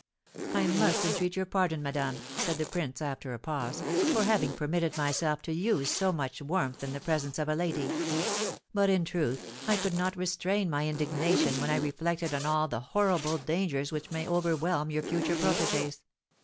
"I must entreat your pardon, madame," said the prince, after a pause, "for having permitted myself to use so much warmth in the presence of a lady; but, in truth, I could not restrain my indignation when I reflected on all the horrible dangers which may overwhelm your future protégées.